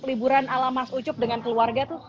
liburan ala mas ucup dengan keluarga tuh